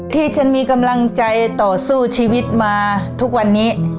ที่ฉันมีกำลังใจต่อสู้ชีวิตมาทุกวันนี้